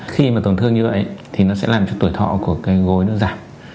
khi mà tổn thương như vậy thì nó sẽ làm cho tuổi thọ của cây gối nó giảm